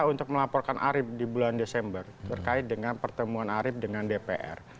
untuk melaporkan arief di bulan desember terkait dengan pertemuan arief dengan dpr